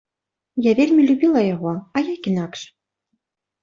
Я вельмі любіла яго, а як інакш?